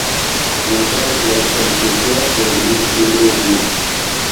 مۤہ داۤ گاۤتھل کۤہ گاۤ تے ہیم شورو ہُو